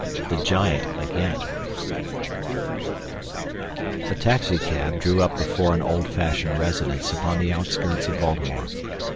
The Giant Again A taxicab drew up before an oldfashioned residence upon the outskirts of Baltimore.